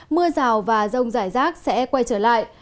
mưa rào và rông rải rác sẽ quay trở lại